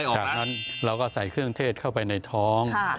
จากนั้นเราก็ใส่เครื่องเทศเข้าไปในท้อง